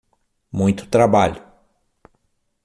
Muito trabalho